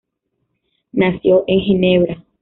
Nació en Ginebra.